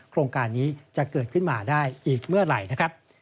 โครงการนี้จะเกิดขึ้นมาได้อีกเมื่อไหร่นะครับ